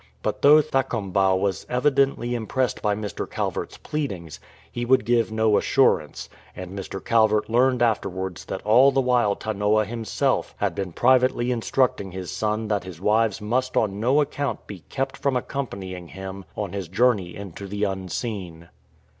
But though Thakombau was evidently impressed by Mr. Cal vert's pleadings, he would give no assurance, and Mr. Calvert learaed afterwards that all the while Tanoa him self had been privately instructing his son that his wives must on no account be kept from accompanying him on his journey into the unseen.